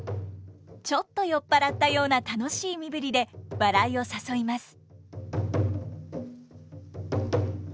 ちょっと酔っ払ったような楽しい身振りで笑いを誘います。